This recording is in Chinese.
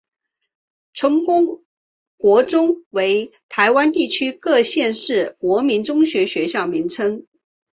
成功国中为台湾地区各县市国民中学学校名称。